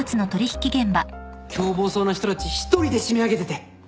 凶暴そうな人たち一人で締め上げてて。